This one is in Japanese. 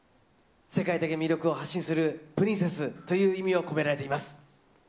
世界的魅力を発信するプリンセスという意味が込められています。